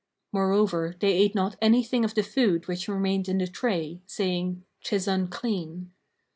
Moreover, they ate not anything of the food which remained in the tray, saying, "'Tis unclean."